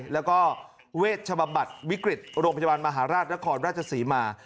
แล้วก็เวชบำบัดวิกฤตโรงพยาบาลมหาราชและคอนราชศรีมา